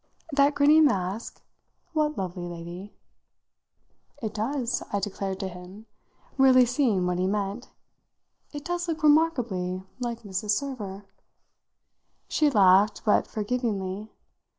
"That grinning mask? What lovely lady?" "It does," I declared to him, really seeing what he meant "it does look remarkably like Mrs. Server." She laughed, but forgivingly.